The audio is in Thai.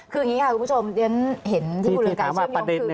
คืออย่างนี้ค่ะคุณผู้ชมยังเห็นที่ภูมิกายเชื่อมยงค์